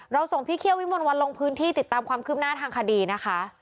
ส่งพี่เคี่ยววิมลวันลงพื้นที่ติดตามความคืบหน้าทางคดีนะคะ